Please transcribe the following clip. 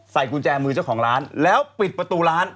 กุญแจมือเจ้าของร้านแล้วปิดประตูร้าน